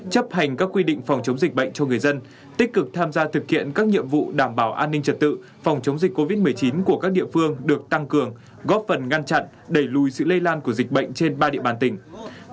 chấp hành các quy định phòng chống dịch bệnh cho người dân tích cực tham gia thực hiện các nhiệm vụ đảm bảo an ninh trật tự phòng chống dịch covid một mươi chín của các địa phương được tăng cường góp phần ngăn chặn đẩy lùi sự lây lan của dịch bệnh trên ba địa bàn tỉnh